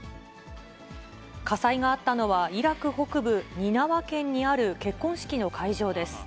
火災があったのは、イラク北部ニナワ県にある結婚式の会場です。